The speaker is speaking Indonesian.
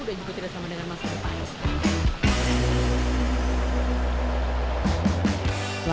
dan juga tidak sama dengan masa depan